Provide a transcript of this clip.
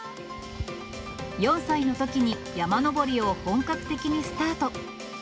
４歳のときに山登りを本格的にスタート。